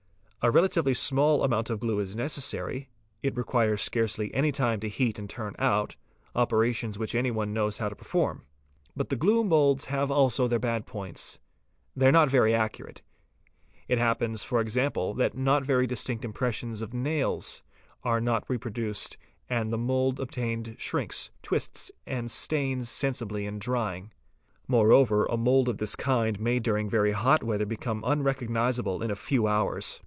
A relatively small amount of glue is neces sary, 1t requires scarcely any time to heat and turn out, operations which any one knows how to perform. But glue moulds have also their bad points. They are not very accurate. It happens, e.g., that not very distinct impressions of nails are not reproduced and that the mould obtained shrinks, twists, and stfains sensibly in drying. Moreover a mould of this kind may during very hot weather become unrecognisable in a few hours.